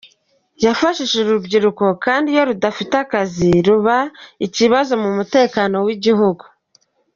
Yafashije urubyiruko kandi iyo rudafite akazi ruba ikibazo ku mutekano w’igihugu.